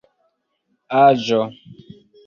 aĵo